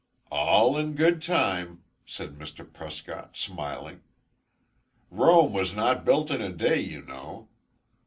"All in good time," said Mr. Prescott smiling. "Rome was not built in a day, you know.